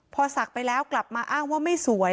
พอศักดิ์ไปแล้วกลับมาอ้างว่าไม่สวย